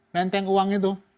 menteng uang itu